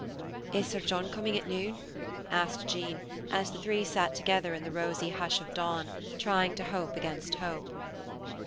"Is Sir John coming at noon?" asked Jean, as the three sat together in the rosy hush of dawn, trying to hope against hope.